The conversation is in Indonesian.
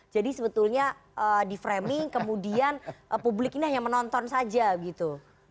jadi sebetulnya di framing kemudian publik ini hanya menonton saja gitu